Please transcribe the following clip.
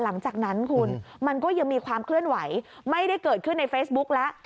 หลังจากนั้นคุณมันก็ยังมีความเคลื่อนไหวไม่ได้เกิดขึ้นในเฟซบุ๊กแล้ว